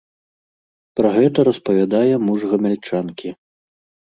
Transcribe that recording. Пра гэта распавядае муж гамяльчанкі.